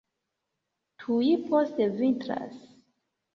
Tuj poste vintras.